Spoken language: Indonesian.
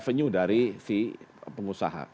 revenue dari vat pengusaha